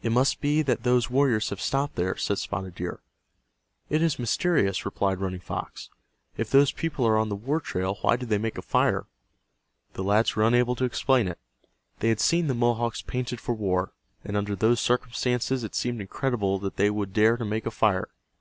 "It must be that those warriors have stopped there," said Spotted Deer. "It is mysterious," replied Running Fox. "If those people are on the war trail why do they make a fire?" The lads were unable to explain it. They had seen the Mohawks painted for war, and under those circumstances it seemed incredible that they would dare to make a fire.